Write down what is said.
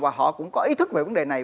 và họ cũng có ý thức về vấn đề này